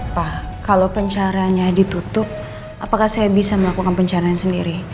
pak kalau pencariannya ditutup apakah saya bisa melakukan pencarian sendiri